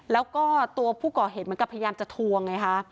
แล้วก็ตัวผู้ก่อเหตุเหมือนกับพยายามจะทวงไงคะ